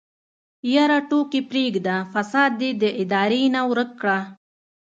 يره ټوکې پرېده فساد دې د ادارې نه ورک که.